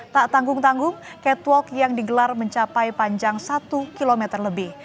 tak tanggung tanggung catwalk yang digelar mencapai panjang satu km lebih